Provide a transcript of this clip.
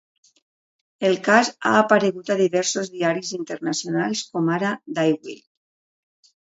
El cas ha aparegut a diversos diaris internacionals, como ara "Die Welt".